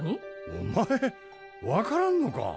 お前分からんのか？